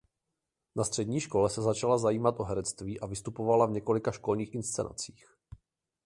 Na střední škole se začala zajímat o herectví a vystupovala v několika školních inscenacích.